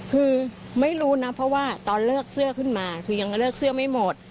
คือไม่รู้นะเพราะว่าตอนเลือกเสื้อขึ้นมาคือยังเลือกเสื้อไม่หมด